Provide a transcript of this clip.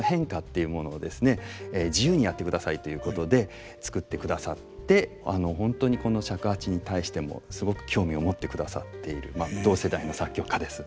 自由にやってくださいということで作ってくださって本当にこの尺八に対してもすごく興味を持ってくださっている同世代の作曲家です。